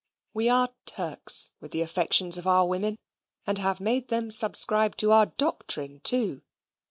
We are Turks with the affections of our women; and have made them subscribe to our doctrine too.